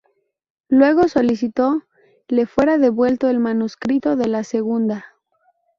Luego solicitó le fuera devuelto el manuscrito de la segunda.